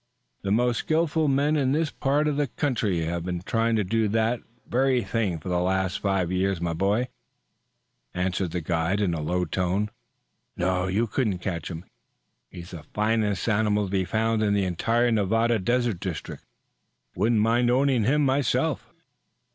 "The most skillful men in this part of the country have been trying to do that very thing for the last five years, my boy," answered the guide in a low tone. "No, you couldn't catch him. He's the finest animal to be found in the entire Nevada Desert district. Wouldn't mind owning him myself."